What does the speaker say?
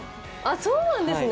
そうなんですね。